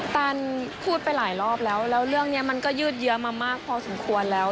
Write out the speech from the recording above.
ตันพูดไปหลายรอบแล้วแล้วเรื่องนี้มันก็ยืดเยอะมากพอสมควรแล้ว